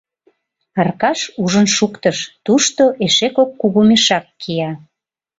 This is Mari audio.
Аркаш ужын шуктыш: тушто эше кок кугу мешак кия.